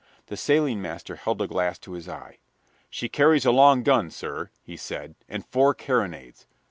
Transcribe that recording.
The sailing master held a glass to his eye. "She carries a long gun, sir," he said, "and four carronades.